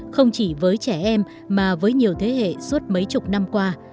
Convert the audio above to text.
không chỉ với trẻ em mà với nhiều thế hệ suốt mấy chục năm qua